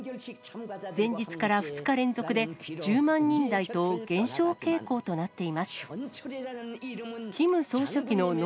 前日から２日連続で１０万人台と減少傾向となっています。